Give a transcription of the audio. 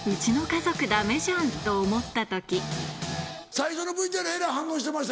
最初のＶＴＲえらい反応してました。